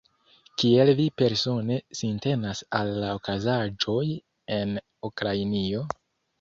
Kiel vi persone sintenas al la okazaĵoj en Ukrainio?